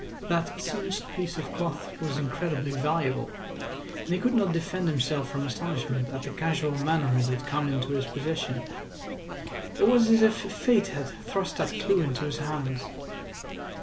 That singed piece of cloth was incredibly valuable, and he could not defend himself from astonishment at the casual manner it had come into his possession. It was as if Fate had thrust that clue into his hands.